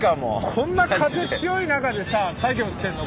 こんな風強い中でさ作業してるの？